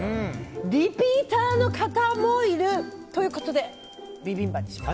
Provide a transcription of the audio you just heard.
リピーターの方もいるということでビビンバにしました。